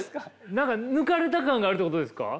何か抜かれた感があるってことですか？